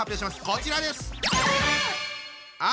こちらです！